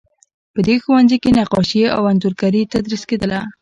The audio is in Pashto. په دې ښوونځي کې نقاشي او انځورګري تدریس کیدله.